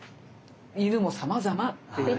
犬もさまざまっていう。